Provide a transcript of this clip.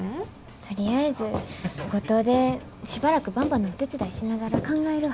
とりあえず五島でしばらくばんばのお手伝いしながら考えるわ。